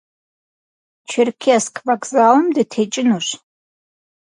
Черкесск вокзалым дытекӏынущ.